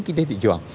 kinh tế thị trường